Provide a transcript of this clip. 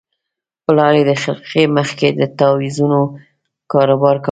پلار یې د خرقې مخ کې د تاویزونو کاروبار کاوه.